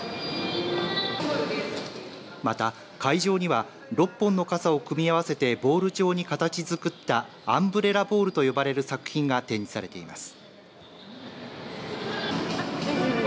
また会場には６本の傘を組み合わせてボール状に形作ったアンブレラボールと呼ばれる作品が展示されています。